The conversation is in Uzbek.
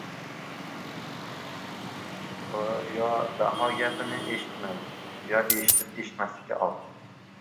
Bolalar yo, Daho gapini eshitmadi, yo, eshitib eshitmaslikka oldi.